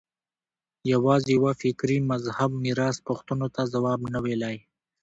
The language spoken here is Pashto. یوازې یوه فکري مذهب میراث پوښتنو ته ځواب نه ویلای